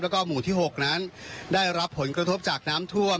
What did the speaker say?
แล้วก็หมู่ที่๖นั้นได้รับผลกระทบจากน้ำท่วม